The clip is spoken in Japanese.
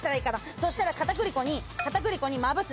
そしたら片栗粉に片栗粉にまぶす。